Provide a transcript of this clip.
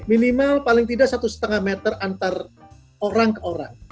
minimal paling tidak satu lima meter antar orang ke orang